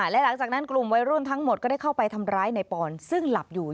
และหลังจากนั้นกลุ่มวัยรุ่นทั้งหมดก็ได้เข้าไปทำร้ายในปอนซึ่งหลับอยู่